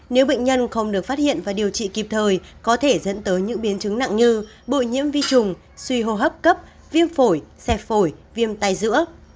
nếu bệnh nhân không được phát hiện và điều trị kịp thời có thể dẫn tới những biến chứng nặng như bội nhiễm vi trùng suy hô hấp cấp viêm phổi xe phổi viêm tay giữa